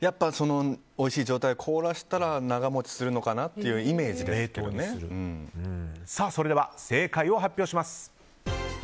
おいしい状態、凍らせたら長持ちするのかなというそれでは正解を発表します。